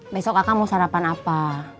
besok kakak mau sarapan apa